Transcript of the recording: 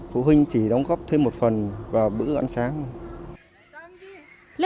phụ huynh chỉ đóng góp thêm một phần vào bữa ăn sáng